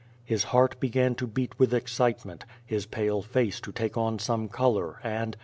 His heart began to beat with excitement, his pale face to take on some color and?